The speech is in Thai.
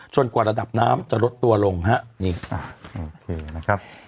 กว่าระดับน้ำจะลดตัวลงฮะนี่โอเคนะครับ